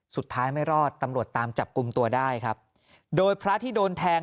ไม่รอดตำรวจตามจับกลุ่มตัวได้ครับโดยพระที่โดนแทง